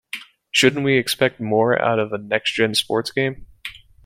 Shouldn't we expect more out of a next-gen sports game?